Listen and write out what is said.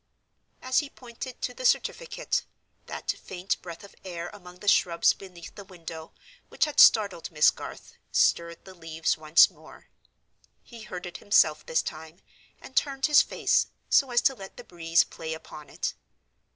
As he pointed to the certificate, that faint breath of air among the shrubs beneath the window, which had startled Miss Garth, stirred the leaves once more. He heard it himself this time, and turned his face, so as to let the breeze play upon it.